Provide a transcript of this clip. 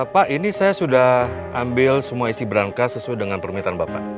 pak ini saya sudah ambil semua isi berangka sesuai dengan permintaan bapak